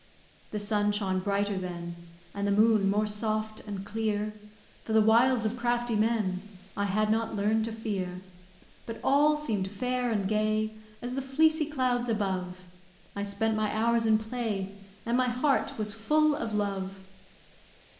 The sun shone brighter then, And the moon more soft and clear, For the wiles of crafty men I had not learn'd to fear; But all seemed fair and gay As the fleecy clouds above; I spent my hours in play, And my heart was full of love.